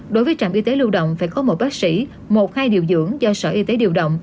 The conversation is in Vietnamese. đối với trạm y tế lưu động phải có một bác sĩ một hai điều dưỡng do sở y tế điều động